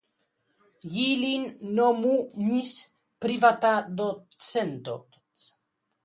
Ĝi lin nomumis privata docento.